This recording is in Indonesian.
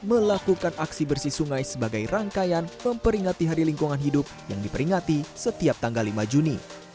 melakukan aksi bersih sungai sebagai rangkaian memperingati hari lingkungan hidup yang diperingati setiap tanggal lima juni